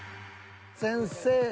先生